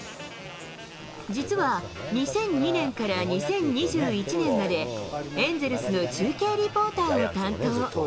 実は、２００２年から２０２１年まで、エンゼルスの中継リポーターを担当。